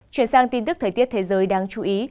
chuyển sang tin tức thời tiết thế giới đáng chú ý